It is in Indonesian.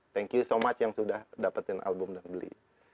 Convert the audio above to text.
thank you so much yang sudah dapetin album dan beli